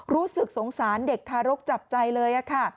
รู้สึกสงสารเด็กทารกจับใจเลยค่ะ